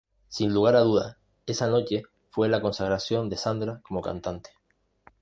Sin lugar a dudas, esa noche fue la consagración de Sandra como cantante.